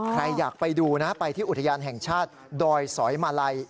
ใครอยากไปดูนะไปที่อุทยานแห่งชาติดอยสอยมาลัย